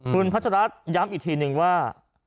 คุณพัชรัฐย้ำอีกทีนึงว่า